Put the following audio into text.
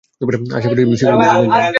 আশা করি, শীঘ্রই বিদ্যুত আসবে।